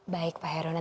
baik pak heron